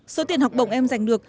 số tiền học bổng em giành được